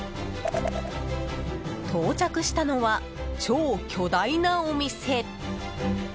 到着したのは、超巨大なお店。